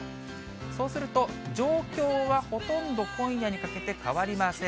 そうすると、状況はほとんど今夜にかけて、変わりません。